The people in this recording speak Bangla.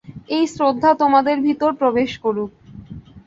এই শ্রদ্ধা তোমাদের ভিতর প্রবেশ করুক।